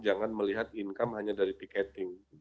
jangan melihat income hanya dari tiketing